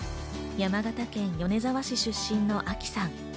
山形県米沢市出身のあきさん。